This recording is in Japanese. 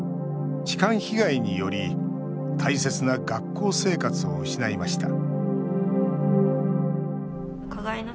痴漢被害により大切な学校生活を失いました